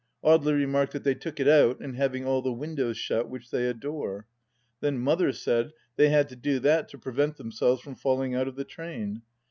Audely remarked that they took it out in having all the windows shut, which they adore. Then Mother said they had to do that to prevent themselves from falling out of the train.